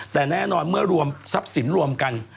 แต่แน่นอนเมื่อรวมทรัพย์สินรวมกัน